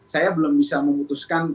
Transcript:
saya belum bisa memutuskan